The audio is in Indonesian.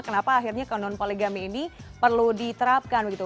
kenapa akhirnya konon poligami ini perlu diterapkan begitu